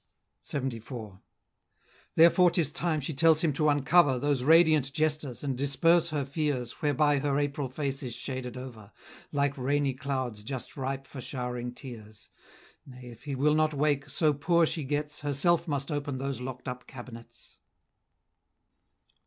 LXXIV. Therefore 'tis time she tells him to uncover Those radiant jesters, and disperse her fears, Whereby her April face is shaded over, Like rainy clouds just ripe for showering tears; Nay, if he will not wake, so poor she gets, Herself must open those lock'd up cabinets.